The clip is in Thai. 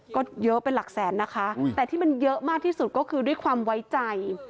ก็เยอะเป็นหลักแสนนะคะแต่ที่มันเยอะมากที่สุดก็คือด้วยความไว้ใจ